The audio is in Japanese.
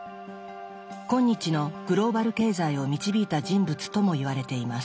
今日のグローバル経済を導いた人物とも言われています。